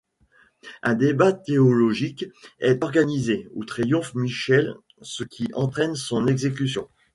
Un débat théologique est organisé, où triomphe Michel, ce qui entraîne son exécution.